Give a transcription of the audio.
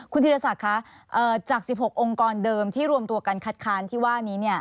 คุณธีรศักดิ์คะจาก๑๖องค์กรเดิมที่รวมตัวกันคัดค้านที่ว่านี้